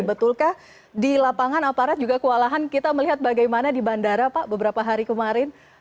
betulkah di lapangan aparat juga kewalahan kita melihat bagaimana di bandara pak beberapa hari kemarin